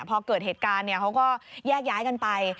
พอเกิดเหตุการณ์เขาก็แยกย้ายกันไป